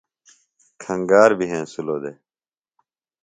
کھنگار بیۡ ہینسِلوۡ دےۡ